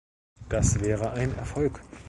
Das wäre ein Erfolg.